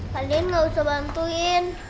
kalian nggak usah bantuin